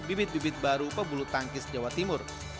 bibit bibit baru pebulu tangkis jawa timur